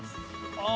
ああ。